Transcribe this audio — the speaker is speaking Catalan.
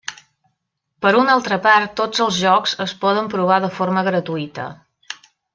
Per una altra part tots els jocs es poden provar de forma gratuïta.